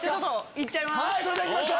行っちゃいます。